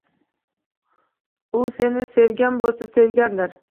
U seni sevgan bo'lsa, sevgandir